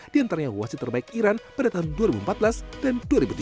di antaranya wasit terbaik iran pada tahun dua ribu empat belas dan dua ribu tujuh belas